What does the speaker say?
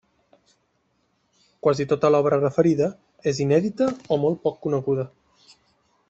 Quasi tota l'obra referida, és inèdita o molt poc coneguda.